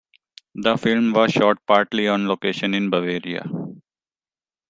The film was shot partly on location in Bavaria.